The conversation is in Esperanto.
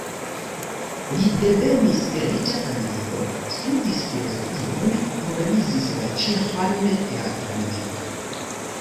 Li devenis el riĉa familio, studis filozofion, organizis la ĉeĥan teatran vivon.